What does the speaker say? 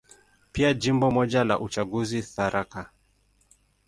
Pia Jimbo moja la uchaguzi, Tharaka.